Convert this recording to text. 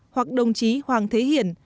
hoặc đồng chí hoàng thế hiển